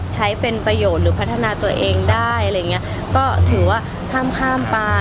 ใช้เป็นประโยชน์หรือพัฒนาตัวเองได้อะไรอย่างเงี้ยก็ถือว่าข้ามข้ามไป